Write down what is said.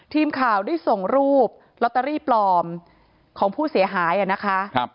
ทีมข่าวได้ส่งรูปลอตเตอรี่ปลอมของผู้เสียหายนะคะ